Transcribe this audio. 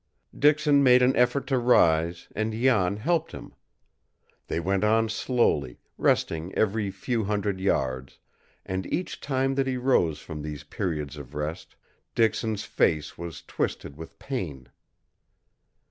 Dixon made an effort to rise and Jan helped him. They went on slowly, resting every few hundred yards, and each time that he rose from these periods of rest, Dixon's face was twisted with pain.